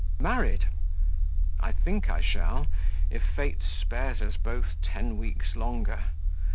"Married! I think I shall if Fate spares us both ten weeks longer.